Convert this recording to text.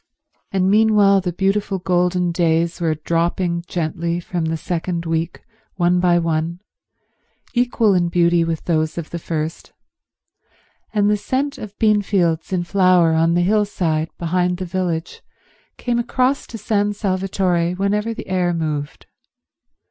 And meanwhile the beautiful golden days were dropping gently from the second week one by one, equal in beauty with those of the first, and the scent of beanfields in flower on the hillside behind the village came across to San Salvatore whenever the air moved.